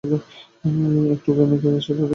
এক টুকরা মেঘ এসে তাদেরকে ছায়াদান করে।